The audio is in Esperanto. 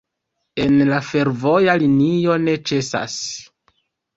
En la fervoja linio ne ĉesas.